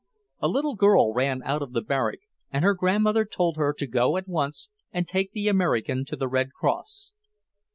A little girl ran out of the barrack, and her grandmother told her to go at once and take the American to the Red Cross.